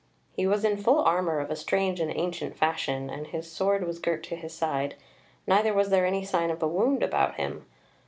He was in full armour of a strange and ancient fashion, and his sword was girt to his side, neither was there any sign of a wound about him.